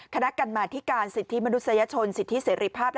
คณะกรรมาธิการสิทธิมนุษยชนสิทธิเสรีภาพ